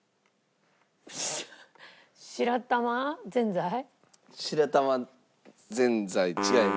白玉ぜんざい。